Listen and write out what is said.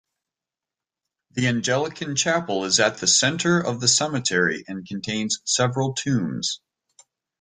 The Anglican Chapel is at the centre of the cemetery, and contains several tombs.